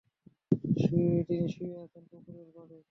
তিনি শুয়ে আছেন পুকুরের পাড়ে।